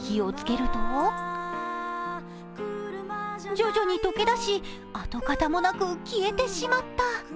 徐々に溶け出し、跡形もなく消えてしまった。